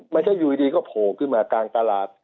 ไม่ใช่อยู่ดีก็โผล่ขึ้นมากลางตลาด